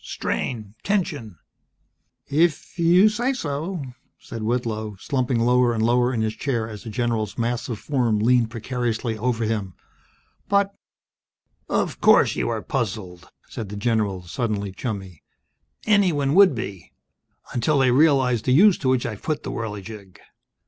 Strain. Tension." "If If you say so ..." said Whitlow, slumping lower and lower in his chair as the general's massive form leaned precariously over him. "But " "Of course you are puzzled," said the general, suddenly chummy. "Anyone would be. Until they realized the use to which I've put the Whirligig!"